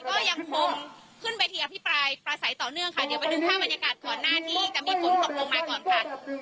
ก็ยังคงขึ้นเวทีอภิปรายประสัยต่อเนื่องค่ะเดี๋ยวไปดูภาพบรรยากาศก่อนหน้าที่จะมีฝนตกลงมาก่อนค่ะ